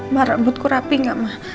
ma rambutku rapi gak ma